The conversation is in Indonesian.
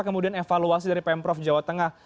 kemudian evaluasi dari pemprov jawa tengah